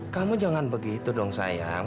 kamu jangan begitu dong sayang